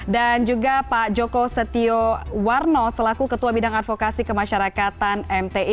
dan juga pak joko setio warno selaku ketua bidang advokasi kemasyarakatan mti